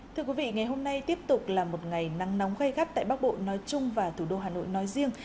thưa quý vị ngày hôm nay tiếp tục là một ngày nắng nóng gai gắt tại bắc bộ nói chung và thủ đô hà nội nói riêng